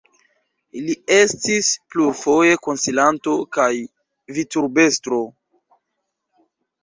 Li estis plurfoje konsilanto, kaj vicurbestro.